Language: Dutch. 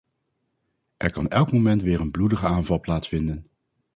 Er kan elk moment weer een bloedige aanval plaatsvinden.